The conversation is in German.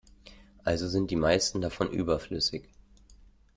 Also sind die meisten davon überflüssig.